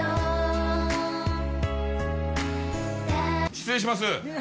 失礼します。